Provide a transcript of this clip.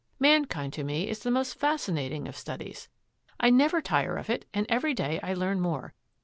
Mankind to me is the most fascinating of studies. I never tire of it and every day I learn more.